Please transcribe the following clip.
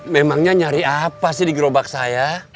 memangnya nyari apa sih di gerobak saya